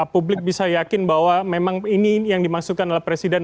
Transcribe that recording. publik bisa yakin bahwa memang ini yang dimaksudkan oleh presiden